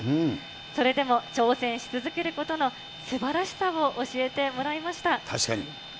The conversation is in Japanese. それでも挑戦し続けることのすばらしさを教えてもらいました。